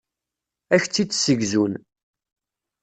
Ad ak-tt-id-ssegzun.